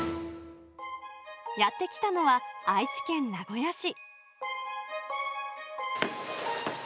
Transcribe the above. やって来たのは、愛知県名古屋市。